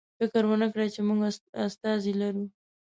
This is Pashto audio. فکر ونکړئ چې موږ استازی لرو.